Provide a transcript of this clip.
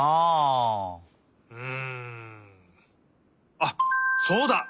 あっそうだ！